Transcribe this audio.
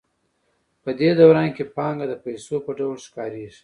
په دې دوران کې پانګه د پیسو په ډول ښکارېږي